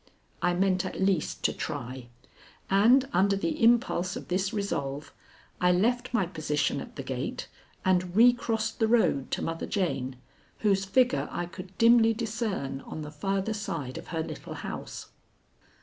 I meant at least to try, and, under the impulse of this resolve, I left my position at the gate and recrossed the road to Mother Jane, whose figure I could dimly discern on the farther side of her little house.